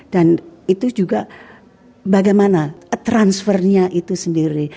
dan itu juga bagaimana transfernya itu sendiri